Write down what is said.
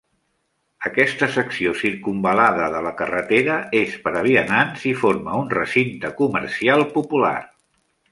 Aquesta secció circumval·lada de la carretera és per a vianants i forma un recinte comercial popular.